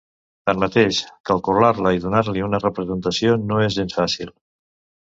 Tanmateix, calcular-la i donar-li una representació no és gens fàcil.